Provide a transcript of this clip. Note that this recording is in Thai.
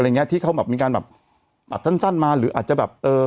ที่เขาแบบมีการแบบตัดสั้นสั้นมาหรืออาจจะแบบเออ